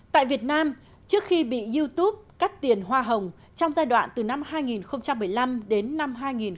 tại việt nam trước khi bị youtube cắt tiền hoa hồng trong giai đoạn từ năm hai nghìn một mươi năm đến năm hai nghìn một mươi bảy